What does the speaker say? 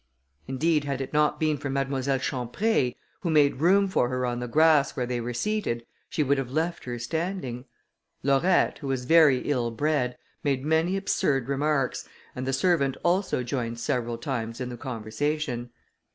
Indeed, had it not been for Mademoiselle Champré, who made room for her on the grass where they were seated, she would have left her standing. Laurette, who was very ill bred, made many absurd remarks, and the servant also joined several times in the conversation.